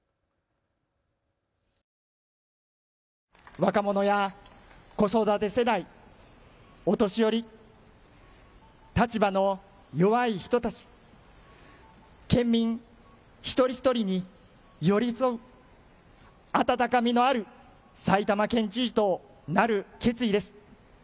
若者や子育て世代、お年寄り、立場の弱い人たち、県民一人一人に寄り添う温かみのある埼玉県知事となる決意です。